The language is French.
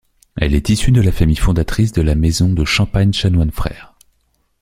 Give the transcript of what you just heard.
Elle est issue de la famille fondatrice de la maison de champagne Chanoine Frères.